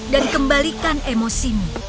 dan kembalikan emosimu